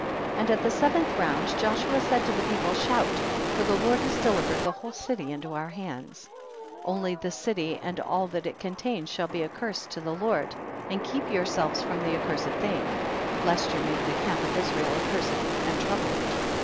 18. And at the seventh round, Joshua said to the people, shout, for the Lord has delivered the whole city into our hands. 258 THE BOOK OF JASHER. 19. Only the city and all that it contains shall be accursed to the Lord, and keep yourselves from the accursed thing, lest you make the camp of Israel accursed and trouble it.